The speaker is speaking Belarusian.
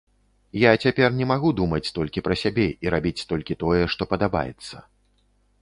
Я цяпер не магу думаць толькі пра сябе і рабіць толькі тое, што падабаецца.